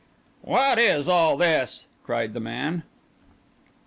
"What is all this?" cried the man.